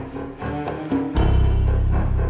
masa ber wasting institute ada